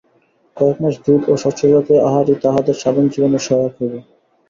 কয়েক মাস দুধ ও শস্যজাতীয় আহারই তাঁহাদের সাধন-জীবনের সহায়ক হইবে।